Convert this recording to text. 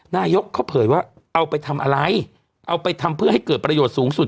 นายกเขาเผยว่าเอาไปทำอะไรเอาไปทำเพื่อให้เกิดประโยชน์สูงสุด